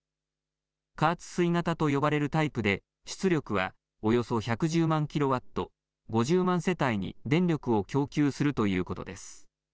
加圧水型と呼ばれるタイプで出力はおよそ１１０万キロワット、５０万世帯に電力を供給するということです。